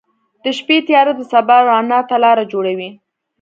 • د شپې تیاره د سبا رڼا ته لاره جوړوي.